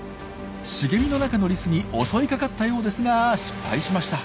茂みの中のリスに襲いかかったようですが失敗しました。